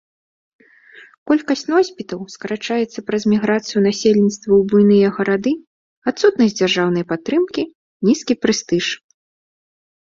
Колькасць носьбітаў скарачаецца праз міграцыю насельніцтва ў буйныя гарады, адсутнасць дзяржаўнай падтрымкі, нізкі прэстыж.